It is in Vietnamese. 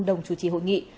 đồng chủ trì hội nghị